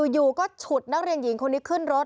อยู่ก็ฉุดนักเรียนหญิงคนนี้ขึ้นรถ